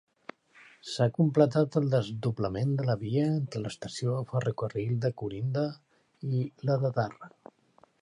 S'ha completat el desdoblament de via entre l'estació de ferrocarril de Corinda i la de Darra.